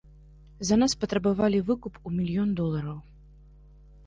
За нас патрабавалі выкуп у мільён долараў.